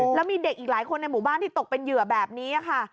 แล้วมีเด็กอีกหลายคนในหมู่บ้านที่ตกเป็นเหยื่อแบบนี้ค่ะ